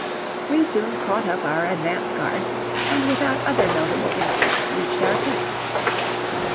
We soon caught up our advance guard, and without other notable incident reached our tent.